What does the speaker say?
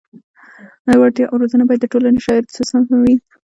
وړتیا او روزنه باید د ټولنې شرایطو سره سم وي.